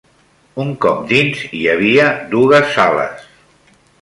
Un cop dins, hi havia dugues sales